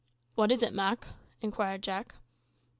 "What is it, Mak?" inquired Jack.